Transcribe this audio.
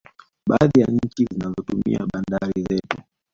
Baadhi ya nchi zinazotumia bandari zetu